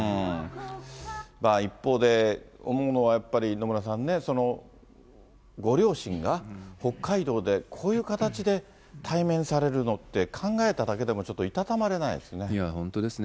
一方で、思うのはやっぱり野村さんね、ご両親が北海道でこういう形で対面されるのって、考えただけでも、ちょっといたたまれないですね。